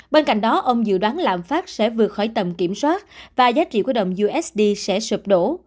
bên cạnh đó ông dự đoán lạm phát sẽ vượt khỏi tầm kiểm soát và giá trị của đồng usd sẽ sụp đổ